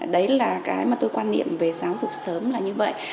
đấy là cái mà tôi quan niệm về giáo dục sớm là như vậy